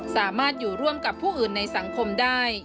สามารถอยู่ร่วมกับผู้อื่นในสังคมได้